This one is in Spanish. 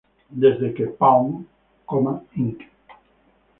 Desde que Palm, Inc.